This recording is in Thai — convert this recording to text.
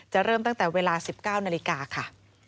เริ่มตั้งแต่เวลา๑๙นาฬิกาค่ะ